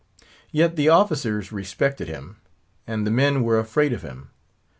Yet the officers respected him; and the men were afraid of him.